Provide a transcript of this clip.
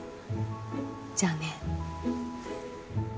じゃあね。